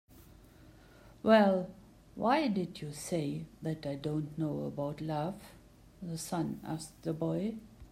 "Well, why did you say that I don't know about love?" the sun asked the boy.